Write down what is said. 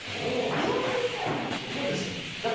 お披露目みたいなことなんですか。